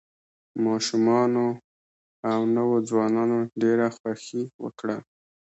ماشومانو او نوو ځوانانو ډېره خوښي وکړه.